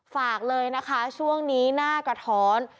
ฝากเลยนะคะช่วงนี้หน้ากระท้อน